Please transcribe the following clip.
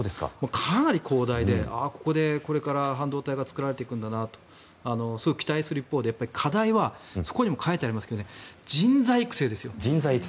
かなり広大でここでこれから半導体が作られていくんだなとすごく期待する一方で、課題はそこにも書いてありますが人材育成ですよ。